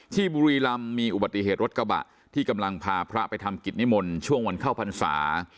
บุรีรำมีอุบัติเหตุรถกระบะที่กำลังพาพระไปทำกิจนิมนต์ช่วงวันเข้าพรรษา